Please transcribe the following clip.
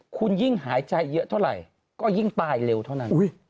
คุณยิ่งหายใจเยอะเท่าไหร่ก็ยิ่งตายเร็วเท่านั้น